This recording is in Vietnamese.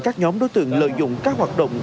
các nhóm đối tượng lợi dụng các hoạt động